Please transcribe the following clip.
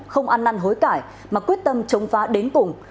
không ăn năn hối cải mà quyết tâm chống phá đến cùng